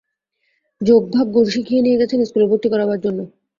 যোগ ভাগ গুণ শিখিয়ে নিয়ে গেছেন স্কুলে ভর্তি করাবার জন্যে।